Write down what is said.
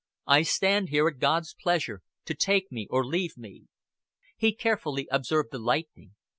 I stand here at God's pleasure, to take me or leave me." He carefully observed the lightning.